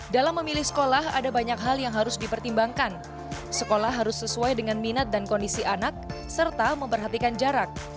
dalam memilih sekolah ada banyak hal yang harus dipertimbangkan sekolah harus sesuai dengan minat dan kondisi anak serta memperhatikan jarak